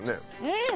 うん！